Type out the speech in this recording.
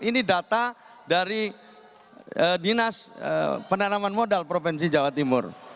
ini data dari dinas penanaman modal provinsi jawa timur